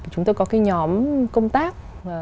chúng tôi có cái nhóm công tác